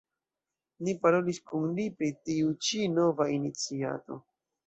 Ni parolis kun li pri tiu ĉi nova iniciato.